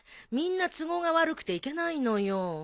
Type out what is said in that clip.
みんな都合が悪くて行けないのよ。